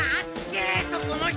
そこの人！